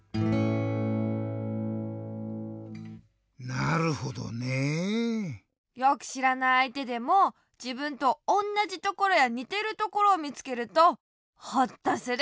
なるほどね。よくしらないあいてでもじぶんとおんなじところやにてるところをみつけるとホッとする。